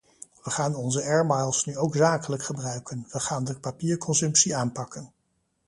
We gaan onze airmiles nu ook zakelijk gebruiken, we gaan de papierconsumptie aanpakken.